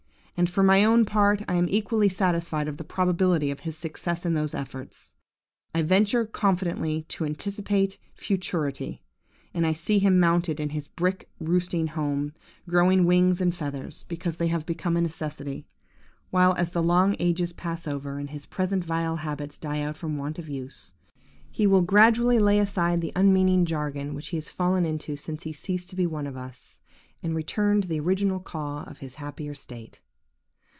And for my own part, I am equally satisfied of the probability of his success in those efforts. I venture confidently to anticipate futurity, and I see him mounted in his brick roosting home, growing wings and feathers, because they have become a necessity; while, as the long ages pass over, and his present vile habits die out from want of use, he will gradually lay aside the unmeaning jargon which he has fallen into since he ceased to be one of us, and return to the original caw of his happier state.